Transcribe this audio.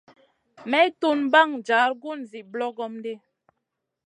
May tun ɓaŋ jar gun zi ɓlogom ɗi.